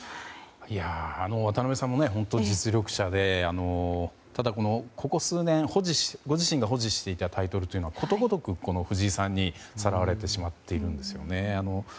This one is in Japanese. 渡辺さんも実力者でただ、ここ数年ご自身が保持していたタイトルはことごとく藤井さんにさらわれてしまっているんですよね。